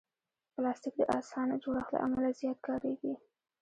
پلاستيک د اسانه جوړښت له امله زیات کارېږي.